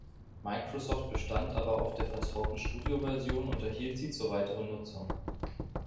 Microsoft bestand aber auf der vertrauten Studioversion und erhielt sie zur weiteren Nutzung.